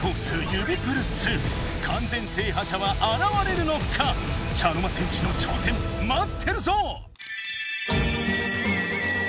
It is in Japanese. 「指プル２」完全制覇者はあらわれるのか⁉茶の間戦士の挑戦まってるぞ！